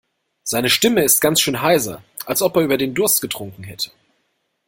Seine Stimme ist ganz schön heiser, als ob er über den Durst getrunken hätte.